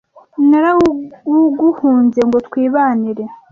Narawuguhunze ngo twibanire